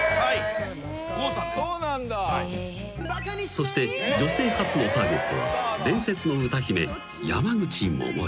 ［そして女性初のターゲットは伝説の歌姫山口百恵］